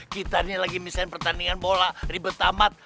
kita ini lagi misen pertandingan bola di betamat